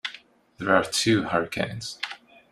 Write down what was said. There are two Hurricanes.